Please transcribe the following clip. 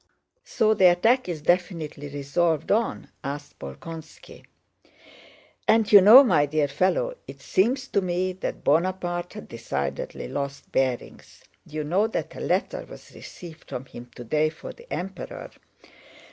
"So the attack is definitely resolved on?" asked Bolkónski. "And do you know, my dear fellow, it seems to me that Bonaparte has decidedly lost bearings, you know that a letter was received from him today for the Emperor."